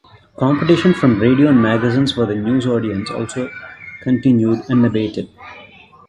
Competition from radio and magazines for the news audience also continued unabated.